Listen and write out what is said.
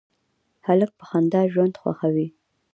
هلک په خندا ژوند خوښوي.